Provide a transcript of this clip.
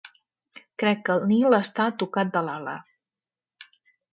Crec que el Nil està tocat de l'ala.